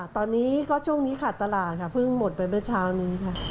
ตอนนี้ก็ช่วงนี้ขาดตลาดค่ะเพิ่งหมดไปเมื่อเช้านี้ค่ะ